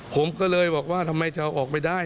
ผมก็เลยบอกว่าทำไมจะเอาออกไปได้